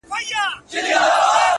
په نامه د قاتلانو زړه ښاد نه كړي -